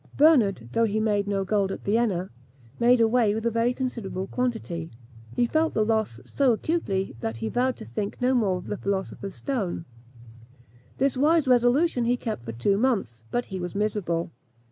Bernard, though he made no gold at Vienna, made away with a very considerable quantity. He felt the loss so acutely, that he vowed to think no more of the philosopher's stone. This wise resolution he kept for two months; but he was miserable.